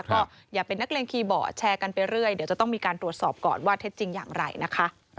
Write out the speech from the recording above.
ก็อย่าเป็นนักเลงคีย์บอร์แชร์กันไปเรื่อยเดี๋ยวจะต้องมีการตรวจสอบก่อนว่าเท็จจริงอย่างไรนะคะ